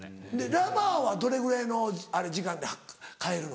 ラバーはどれぐらいの時間で替えるの？